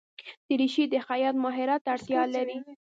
دریشي د خیاط ماهرت ته اړتیا لري.